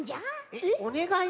えっおねがい？